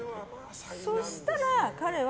そしたら、彼は。